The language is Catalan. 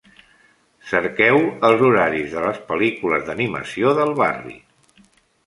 Cerqueu els horaris de les pel·lícules d'animació del barri.